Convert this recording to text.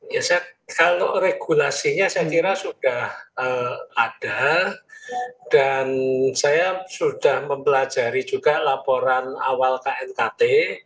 ya saya kalau regulasinya saya kira sudah ada dan saya sudah mempelajari juga laporan awal knkt